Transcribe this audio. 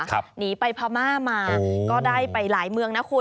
หนีไปพม่ามาก็ได้ไปหลายเมืองนะคุณ